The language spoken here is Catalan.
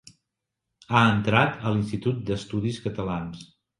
Ha entrat a l'Institut d'Estudis Catalans.